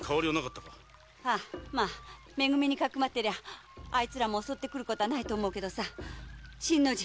め組にかくまっていれば襲ってくることはないと思うけど新の字